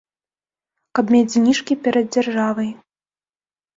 Каб мець зніжкі перад дзяржавай.